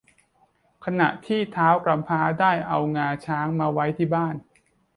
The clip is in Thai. ขณะที่ท้าวกำพร้าได้เอางาช้างมาไว้ที่บ้าน